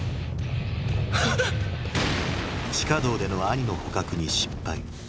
地下道でのアニの捕獲に失敗。